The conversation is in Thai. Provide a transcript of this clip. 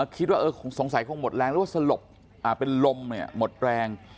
คิดว่าสงสัยคงหมดแรงหรือว่าสลบเป็นลมเนี่ยหมดแรง